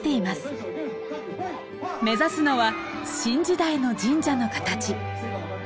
目指すのは新時代の神社の形。